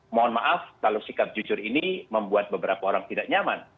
mohon maaf kalau sikap jujur ini membuat beberapa orang tidak nyaman